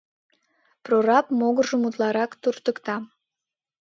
Прораб могыржым утларак туртыкта.